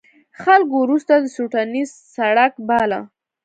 خلکو وروسته د سټیونز سړک باله.